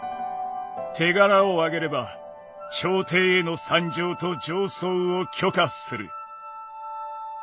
「手柄をあげれば朝廷への参上と上奏を許可する」。